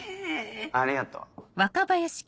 ありがとう。